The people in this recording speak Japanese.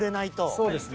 そうですね。